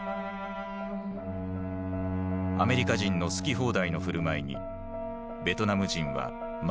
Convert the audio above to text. アメリカ人の好き放題の振る舞いにベトナム人は眉をひそめた。